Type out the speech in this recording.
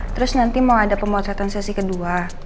terus nanti mau ada pemotretan sesi kedua